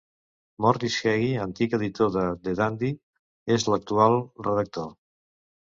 Morris Heggie, antic editor de "The Dandy", és l'actual redactor.